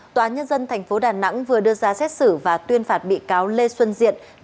tòa nhân dân tp đà nẵng vừa đưa ra xét xử và tuyên phạt bị cáo lê xuân diện